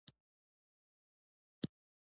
زه له دې يوولسو کانديدانو سره اختلاف لرم.